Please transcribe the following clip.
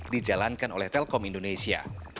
dijalankan oleh telkom indonesia